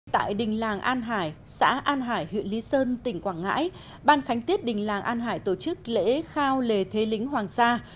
tại đình làng an hải xã an hải huyện lý sơn tỉnh quảng ngãi ban khánh tiết đình làng an hải tổ chức lễ khao lề thế lính hoàng sa